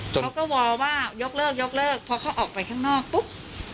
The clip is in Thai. เขาก็ว่าว่ายกเลิกพอเขาออกไปข้างนอกปุ๊บ